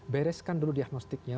bereskan dulu diagnostiknya